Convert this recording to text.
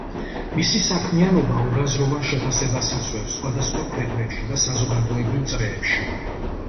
მისი საქმიანობა ორაზროვან შეფასებას იწვევს სხვადასხვა ქვეყნებში და საზოგადოებრივ წრეებში.